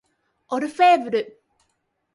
オルフェーヴル